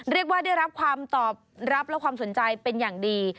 เรียกว่าได้รับความตอบรับและความสนใจเป็นอย่างดี